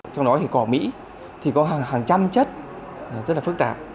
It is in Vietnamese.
trong đó thì cỏ mỹ thì có hàng trăm chất rất là phức tạp